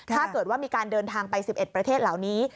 ถ้าเกิดว่ามีการเดินทางไป๑๑ประเทศเหล่านี้